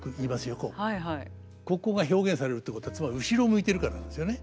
ここが表現されるってことはつまり後ろを向いてるからなんですよね。